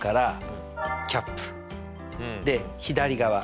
で左側。